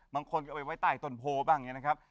บางคนก็ไปไว้ใต้ตนโพบ้างเนี่ยนะครับ